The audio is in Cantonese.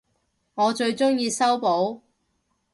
我最鍾意修補